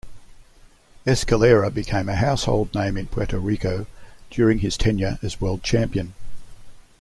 Escalera became a household name in Puerto Rico during his tenure as world champion.